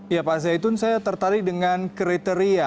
ya pak zaitun saya tertarik dengan kriteria